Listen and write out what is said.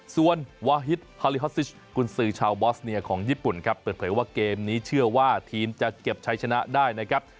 ส่วนวาฮิตฮอลิฮอสซิชกุญสือชาวบอสเนียของญี่ปุ่นครับเปิดเผยว่าเกมนี้เชื่อว่าทีมจะเก็บใช้ชนะได้นะครับ